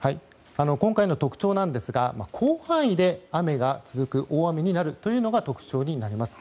今回の特徴なんですが広範囲で雨が続く大雨になることが特徴になります。